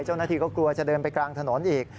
เจ้าหน้าที่ก็กลัวจะเดินไปกลางถนนอีก